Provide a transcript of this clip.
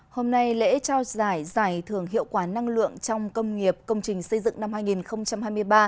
hôm nay lễ trao giải giải thưởng hiệu quả năng lượng trong công nghiệp công trình xây dựng năm hai nghìn hai mươi ba